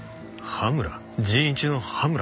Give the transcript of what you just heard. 羽村？